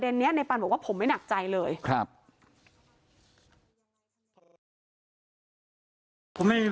เพื่อนในหัดใหญ่ที่คบกันมาเนี่ยยันว่าผมจะไปเรียกชาย๑๔คนได้ยังไง